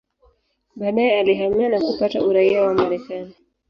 Baadaye alihamia na kupata uraia wa Marekani.